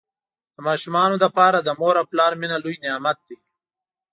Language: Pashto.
د ماشومانو لپاره د مور او پلار مینه لوی نعمت دی.